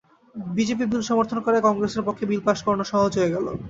BJP bill সমর্থন করায় কংগ্রেসের পক্ষে বিল পাস করানো সহজ হয়ে গেল।